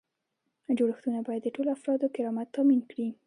جوړښتونه باید د ټولو افرادو کرامت تامین کړي.